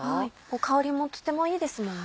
香りもとてもいいですもんね。